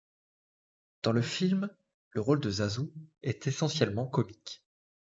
Dans le film, le rôle de Zazu est essentiellement comique.